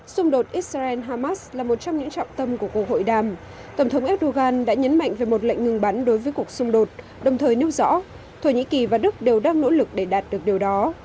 xung đột israel hamas là một trong những trọng tâm của cuộc hội đàm tổng thống erdogan đã nhấn mạnh về một lệnh ngừng bắn đối với cuộc xung đột đồng thời nêu rõ thổ nhĩ kỳ và đức đều đang nỗ lực để đạt được điều đó